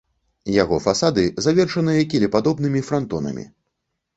Яго фасады завершаныя кілепадобнымі франтонамі.